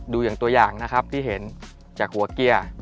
อย่างตัวอย่างนะครับที่เห็นจากหัวเกียร์